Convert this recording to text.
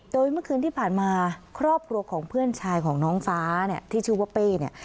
โดยเมื่อคืนที่ผ่านมาครอบครัวของเพื่อนชายของน้องฟ้าเนี่ยที่ชื่อว่าเป้เนี่ย